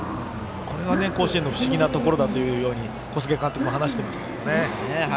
これは、甲子園の不思議なところだというふうに話していましたね。